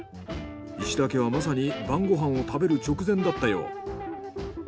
石田家はまさに晩ご飯を食べる直前だったよう。